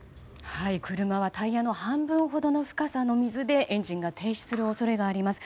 車はタイヤの半分ほどの深さの水でエンジンが停止する恐れがあります。